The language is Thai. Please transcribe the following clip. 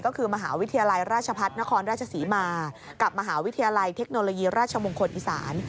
ก็คือมหาวิทยาลัยราชพัฒนครราชศรีมากับมหาวิทยาลัยเทคโนโลยีราชมงคลอีสาน